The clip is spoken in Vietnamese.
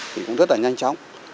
thì cũng rất là nhanh chóng